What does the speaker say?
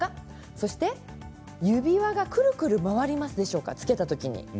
そして指輪がくるくる回るでしょうかつけた時。